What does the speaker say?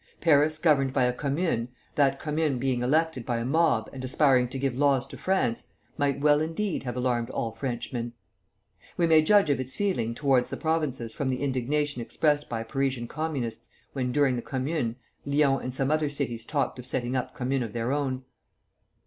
Paris governed by a commune, that commune being elected by a mob and aspiring to give laws to France, might well indeed have alarmed all Frenchmen. We may judge of its feeling towards the Provinces from the indignation expressed by Parisian Communists when during the Commune, Lyons and some other cities talked of setting up communes of their own.